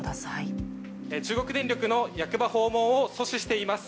中国電力の役場訪問を阻止しています。